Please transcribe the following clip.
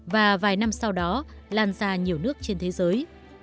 và vài năm sau đó lan ra nhiều nước trên thế giới